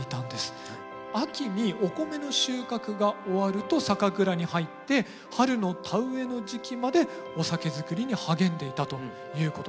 秋にお米の収穫が終わると酒蔵に入って春の田植えの時期までお酒造りに励んでいたということなんです。